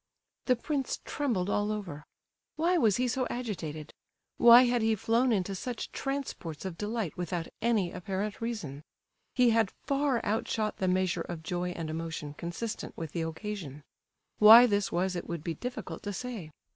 The prince trembled all over. Why was he so agitated? Why had he flown into such transports of delight without any apparent reason? He had far outshot the measure of joy and emotion consistent with the occasion. Why this was it would be difficult to say.